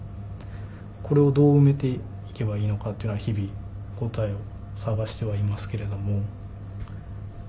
これをどう埋めて行けばいいのかというのは日々答えを探してはいますけれども。